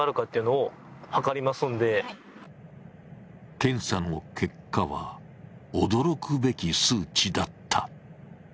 検査の結果は驚くべき数値だった。